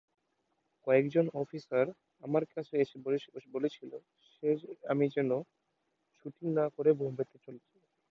কয়েকজন অফিসার আমার কাছে এসে বলেছিল যে আমি যেন শুটিং না করে বোম্বেতে চলে যাই।